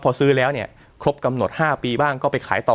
พอซื้อแล้วเนี่ยครบกำหนด๕ปีบ้างก็ไปขายต่อ